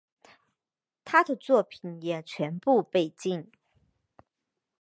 他的作品也全部被禁。